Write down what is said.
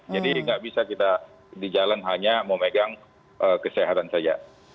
jadi nggak bisa kita di jalan hanya memegang kesehatan saja